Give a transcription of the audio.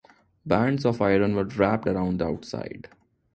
Bands of iron were wrapped around the outside.